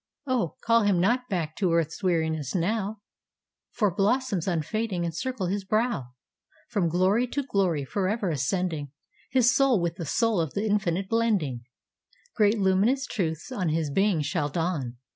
O, call him not back to earth's weariness now, For blossoms unfading encircle his brow; From glory to glory forever ascending, His soul with the soul of the Infinite blending, Great luminous truths on his being shall dawn.